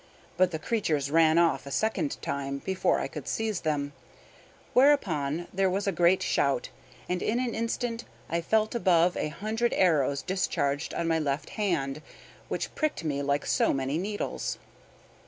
But the creatures ran off a second time before I could seize them, whereupon there was a great shout, and in an instant I felt above a hundred arrows discharged on my left hand, which pricked me like so many needles.